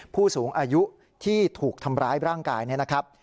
ผู้สูงอายุที่ถูกทำร้ายร่างกายเนี่ยนะครับ